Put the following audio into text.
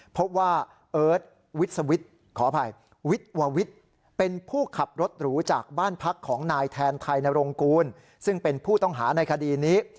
พบว่าเอิร์ทวิทย์ขออภัยวิทย์ววิทย์เป็นผู้ขับรถหรูจากบ้านพักของนายแทนไทยนรงกูลซึ่งเป็นผู้ต้องหาในคดีนี้